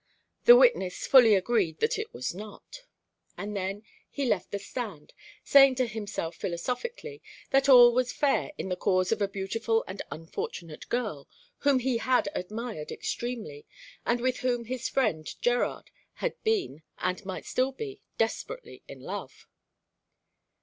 The witness fully agreed that it was not. And then he left the stand, saying to himself philosophically that all was fair in the cause of a beautiful and unfortunate girl, whom he had admired extremely, and with whom his friend Gerard had been, and might be still, desperately in love.